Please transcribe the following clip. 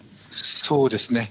そうですね。